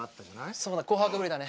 そうだ「紅白」ぶりだね。